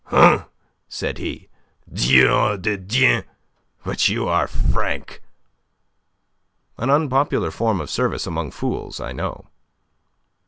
"Huh!" said he. "Dieu de Dieu! But you are frank." "An unpopular form of service among fools, I know."